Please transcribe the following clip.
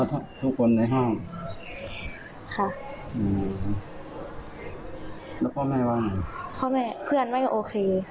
แล้วพ่อแม่ว่าพ่อแม่เพื่อนไม่โอเค